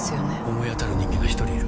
思い当たる人間が１人いる。